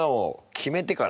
決めてから。